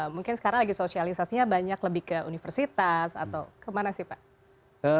mungkin sekarang lagi sosialisasinya banyak lebih ke universitas atau kemana sih pak